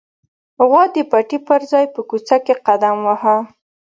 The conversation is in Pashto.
غوا د پټي پر ځای په کوڅه کې قدم واهه.